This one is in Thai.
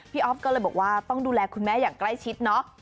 อ๊อฟก็เลยบอกว่าต้องดูแลคุณแม่อย่างใกล้ชิดเนอะ